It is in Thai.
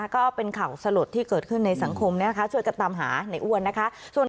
ก็เป็นข่าวสลดที่เกิดขึ้นในสังคมนะคะช่วยกันตามหาในอ้วนนะคะ